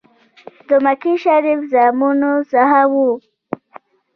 د مکې شریف زامنو څخه وو.